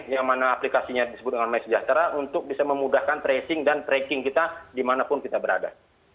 yang mana aplikasinya disebut dengan masejahtera untuk bisa memudahkan tracing dan tracking kita dimanapun kita berada